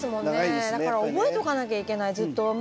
だから覚えとかなきゃいけないずっと。